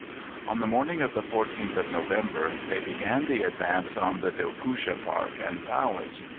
On the morning of the 14th of November they began the advance on the Dilkoosha Park and Palace.